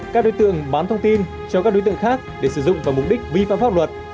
các đối tượng bán thông tin cho các đối tượng khác để sử dụng vào mục đích vi phạm pháp luật